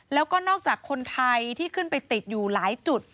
แล้วก็นอกจากคนไทยที่ขึ้นไปติดอยู่หลายจุด